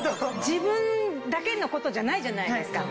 自分だけの事じゃないじゃないですか。